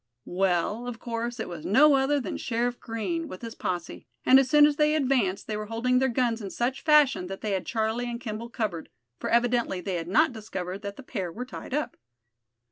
Well, of course it was no other than Sheriff Green, with his posse; and as they advanced they were holding their guns in such fashion that they had Charlie and Kimball covered; for evidently they had not discovered that the pair were tied up.